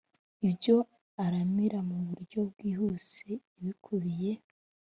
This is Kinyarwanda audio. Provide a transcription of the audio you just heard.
ibyo aramira mu buryo bwihuse Ibikubiye